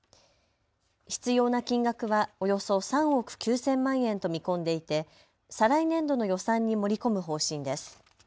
必要な金額はおよそ３億９０００万円と見込んでいて再来年度の予算に盛り込む方針です。